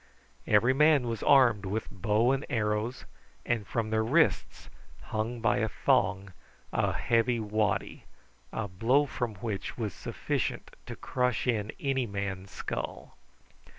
Every man was armed with bow and arrows, and from their wrists hung by a thong a heavy waddy, a blow from which was sufficient to crush in any man's skull.